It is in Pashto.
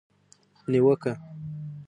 نیوکه